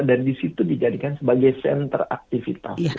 dan disitu dijadikan sebagai center aktivitas